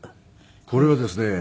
これはですね